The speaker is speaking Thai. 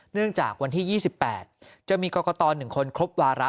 เนื่องจากวันที่ยี่สิบแปดจะมีกรกตอหนึ่งคนครบวาระ